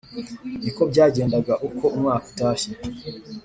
Ni ko byagendaga uko umwaka utashye